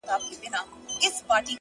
څوك دي د جاناني كيسې نه كوي ـ